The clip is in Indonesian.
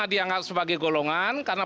dianggap sebagai golongan karena